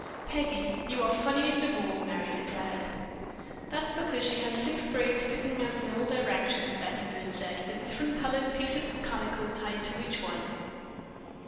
"Peggy, you are funniest of all," Merry declared. "That's because she has six braids sticking out in all directions," Betty Byrd said, "with a different colored piece of calico tied to each one."